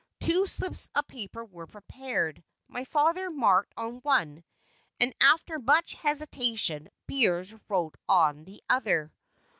Two slips of paper were prepared; my father marked on one, and after much hesitation, Beers wrote on the other.